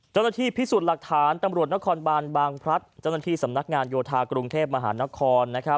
เจ้าหน้าที่พิสูจน์หลักฐานตำรวจนครบานบางพลัดเจ้าหน้าที่สำนักงานโยธากรุงเทพมหานคร